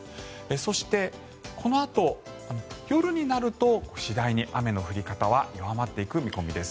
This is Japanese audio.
そして、このあと夜になると次第に雨の降り方は弱まっていく見込みです。